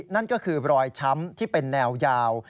นั่นก็คือรอยช้ำที่เป็นแนวยาว